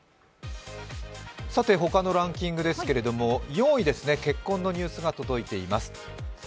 他のランキングですけれども、４位ですね、結婚のニュースが届いています。